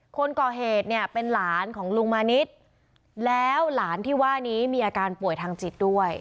คนก่อเหตุเนี่ยเป็นหลานของลุงมานิดแล้วหลานที่ว่านี้มีอาการป่วยทางจิตด้วย